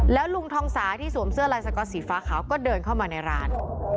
แล้วลุงทองสาที่สวมเสื้อลายสก๊อตสีฟ้าขาวก็เดินเข้ามาในร้าน